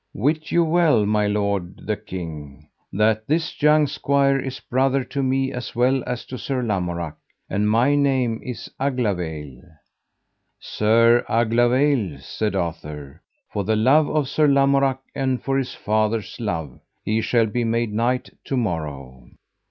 Wit you well, my lord the king, that this young squire is brother to me as well as to Sir Lamorak, and my name is Aglavale. Sir Aglavale, said Arthur, for the love of Sir Lamorak, and for his father's love, he shall be made knight to morrow.